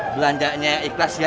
belanjanya ikhlas ya